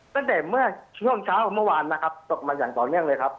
ตั้งแต่เมื่อช่วงเช้าเมื่อวานนะครับตกมาอย่างต่อเนื่องเลยครับ